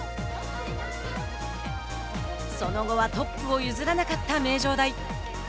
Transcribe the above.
その後はトップを譲らなかった名城大。